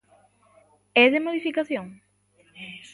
¿É de modificación?